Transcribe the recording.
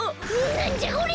なんじゃこりゃ！